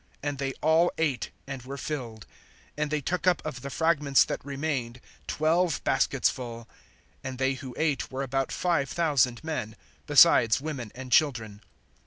(20)And they all ate, and were filled; and they took up of the fragments that remained twelve baskets full. (21)And they who ate were about five thousand men, besides women and children.